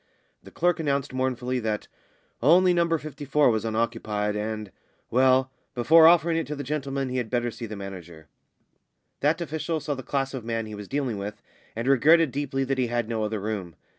The clerk announced mournfully that "only No. 54 was unoccupied, and well before offering it to the gentleman he had better see the manager." That official saw the class of man he was dealing with, and regretted deeply that he had no other room.